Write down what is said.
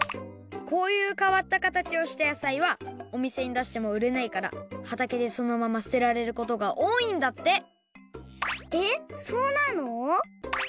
こういう変わった形をした野菜はおみせにだしてもうれないからはたけでそのまま捨てられることが多いんだって！